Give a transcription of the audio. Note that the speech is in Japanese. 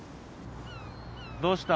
どうした？